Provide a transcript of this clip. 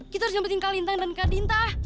kita harus nyempetin kak lintang dan kak dinta